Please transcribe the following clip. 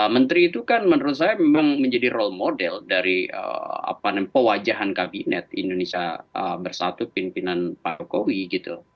menteri itu kan menurut saya memang menjadi role model dari pewajahan kabinet indonesia bersatu pimpinan pak jokowi gitu